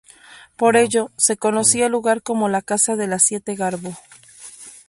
Por ello, se conocía el lugar como la "casa de las siete Garbo".